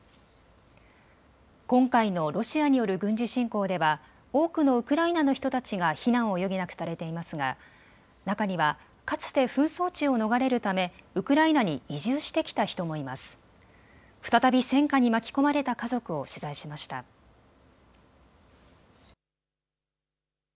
今回のロシアによる軍事侵攻では多くのウクライナの人たちが避難を余儀なくされていますが中には、かつて紛争地を逃れるためウクライナに移住してきた人もいます。